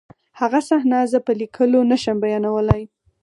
هغه صحنه زه په لیکلو نشم بیانولی